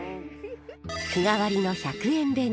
日替わりの１００円弁当。